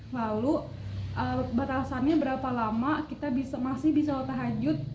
lalu batasannya berapa lama kita masih bisa tahajud